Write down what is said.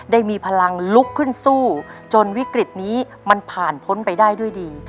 ได้มีพลังลุกขึ้นสู้จนวิกฤตนี้มันผ่านพ้นไปได้ด้วยดี